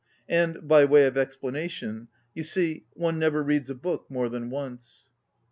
And, by way of expla nation: " You see, one never reads a book more than once."